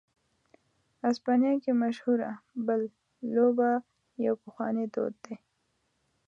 اسپانیا کې مشهوره "بل" لوبه یو پخوانی دود دی.